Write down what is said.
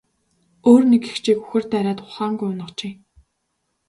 Өөр нэг эгчийг үхэр дайраад ухаангүй унагажээ.